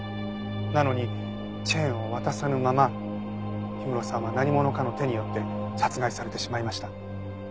なのにチェーンを渡さぬまま氷室さんは何者かの手によって殺害されてしまいました。